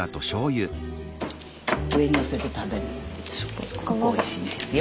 すごいおいしいんですよ。